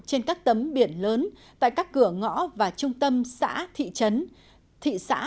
trên các tấm biển lớn tại các cửa ngõ và trung tâm xã thị trấn thị xã